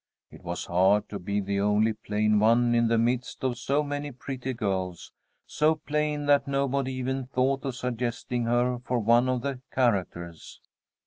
It was hard to be the only plain one in the midst of so many pretty girls; so plain that nobody even thought of suggesting her for one of the characters.